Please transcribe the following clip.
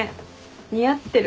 似合ってる。